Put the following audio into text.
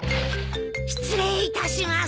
失礼いたします。